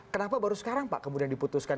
kenapa baru sekarang pak kemudian diputuskan